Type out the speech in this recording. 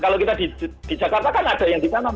kalau kita di jakarta kan ada yang di sana